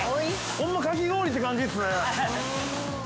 ◆ほんま、かき氷って感じですね。